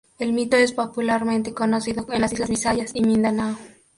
El mito es popularmente conocido en las islas Bisayas y Mindanao.